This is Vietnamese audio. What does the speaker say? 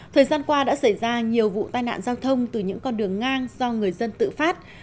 thời gian qua đã xảy ra nhiều vụ tai nạn giao thông từ những con đường ngang do người dân tự phát